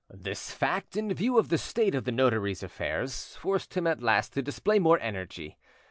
This fact, in view of the state of the notary's affairs, forced him at last to display more energy.